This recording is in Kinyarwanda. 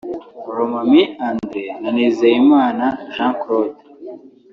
Romami Andre na Nizeyimana Jean Claude